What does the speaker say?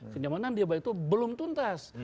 kenyamanan di bawah itu belum tuntas